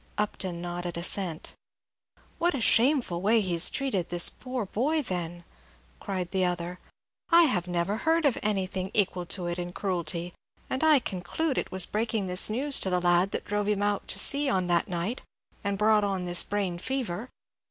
Upton nodded assent. "What a shameful way he has treated this poor boy, then!" cried the other. "I never heard of anything equal to it in cruelty, and I conclude it was breaking this news to the lad that drove him out to sea on that night, and brought on this brain fever.